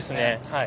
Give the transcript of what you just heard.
はい。